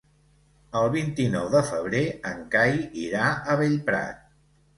El vint-i-nou de febrer en Cai irà a Bellprat.